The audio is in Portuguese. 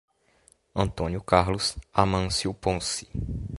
Antônio Carlos Amancio Ponce